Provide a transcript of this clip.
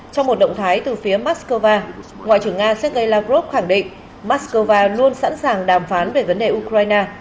trong một động thái từ phía moscow ngoại trưởng nga sergei lavrov khẳng định moscow luôn sẵn sàng đàm phán về vấn đề ukraine